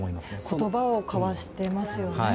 言葉を交わしてますよね。